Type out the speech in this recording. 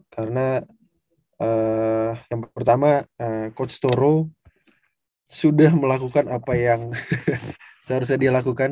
karena yang pertama coach toro sudah melakukan apa yang seharusnya dia lakukan